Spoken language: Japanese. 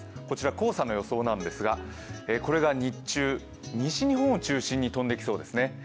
こちら黄砂の予想なんですが、これが日中、西日本を中心に飛んできそうですね。